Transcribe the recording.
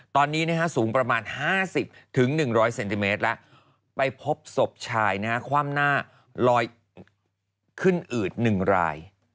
ตอนนี้สูงประมาณ๕๐๑๐๐เซนติเมตรแล้วไปพบศพชายคว่ำหน้าลอยขึ้นอืด๑ราย